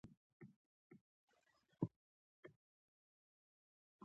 د امریکا د لویې وچې کشف یو عامل ګرځېدلی و.